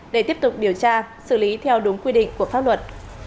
để tiếp tục điều tra xử lý theo đúng quy định của pháp luật